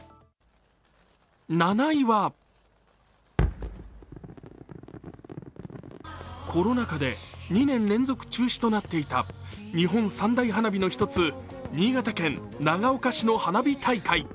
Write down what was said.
７位はコロナ禍で２年連続中止となっていた日本三大花火の一つ、新潟県長岡市の花火大会。